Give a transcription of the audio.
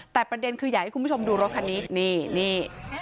แต่ประเด็นคืออยากให้คุณผู้ชมดูรถคันนี้นี่